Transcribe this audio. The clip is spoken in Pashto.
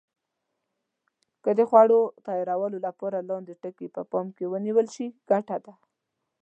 که د خوړو تیارولو لپاره لاندې ټکي په پام کې ونیول شي ګټه ده.